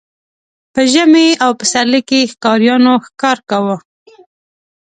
په ژمي او پسرلي کې ښکاریانو ښکار کاوه.